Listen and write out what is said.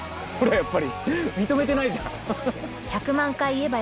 やっぱり認めてないじゃん